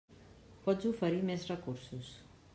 Pots oferir més recursos.